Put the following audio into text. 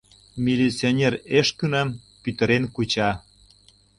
Милиционер Эшкынам пӱтырен куча.